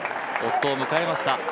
夫を迎えました。